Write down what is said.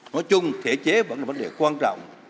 nói chung thể chế vẫn là vấn đề quan trọng